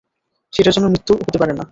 সেটার জন্য মৃত্যু হতে পারেনা।